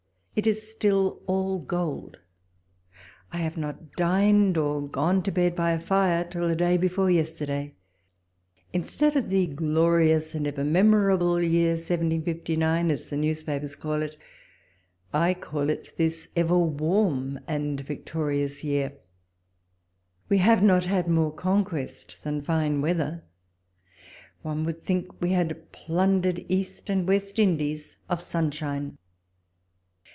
It is still all gold. I have not dined or gone to bed by a fire till the day before yesterday. Instead of the glorious and ever memorable year 1759, as the newspapers call it, I call it this ever warm and victorious year. We have not had more con quest than fine weather : one would think we had plundered East and West Indies of sun shine.